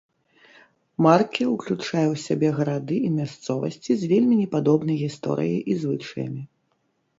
Марке ўключае ў сябе гарады і мясцовасці з вельмі непадобнай гісторыяй і звычаямі.